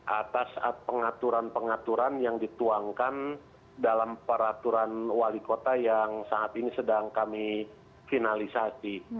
atas pengaturan pengaturan yang dituangkan dalam peraturan wali kota yang saat ini sedang kami finalisasi